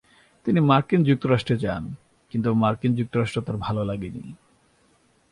তিনি মার্কিন যুক্তরাষ্ট্রে যান; কিন্তু মার্কিন যুক্তরাষ্ট্র তার ভালো লাগেনি।